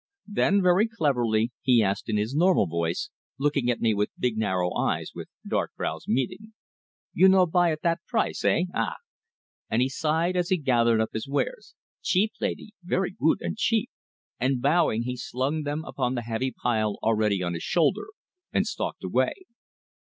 Then, very cleverly he asked in his normal voice, looking at me with his narrow eyes, with dark brows meeting: "You no buy at that price eh? Ah!" and he sighed as he gathered up his wares: "Cheep, laidee very goot and cheep!" And bowing, he slung them upon the heavy pile already on his shoulder and stalked away.